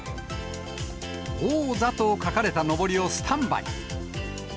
王座と書かれたのぼりをスタンバイ。